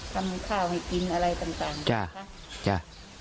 ทำข้าวให้กินอะไรต่างจ้ะ